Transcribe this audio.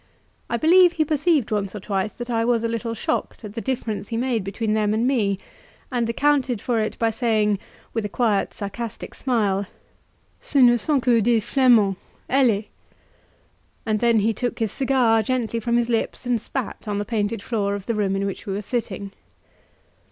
I believe he perceived once or twice that I was a little shocked at the difference he made between them and me, and accounted for it by saying, with a quiet sarcastic smile "Ce ne sont que des Flamands allez!" And then he took his cigar gently from his lips and spat on the painted floor of the room in which we were sitting.